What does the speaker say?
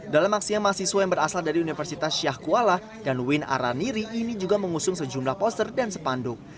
dalam aksi yang mahasiswa yang berasal dari universitas syahkuala dan win araniri ini juga mengusung sejumlah poster dan sepanduk